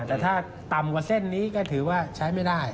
แต่ถ้าต่ำกว่าเส้นนี้ก็ถือว่าใช้ไม่ได้